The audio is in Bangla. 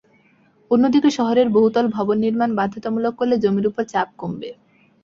অন্যদিকে, শহরের বহুতল ভবন নির্মাণ বাধ্যতামূলক করলে জমির ওপর চাপ কমবে।